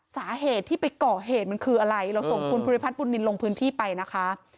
สาเหตุที่ไปก่อเหตุมันคืออะไรเราส่งคุณภูริพัฒนบุญนินลงพื้นที่ไปนะคะ